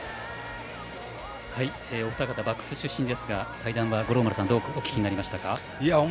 お二方バックス出身ですが対談は五郎丸さんどうお聞きになりましたか？